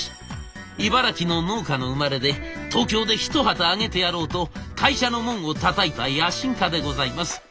茨城の農家の生まれで東京で一旗揚げてやろうと会社の門をたたいた野心家でございます。